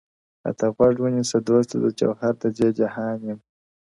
راته غوږ ونیسه دوسته زه جوهر د دې جهان یم؛